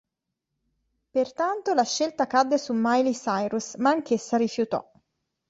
Pertanto la scelta cadde su Miley Cyrus, ma anch'essa rifiutò.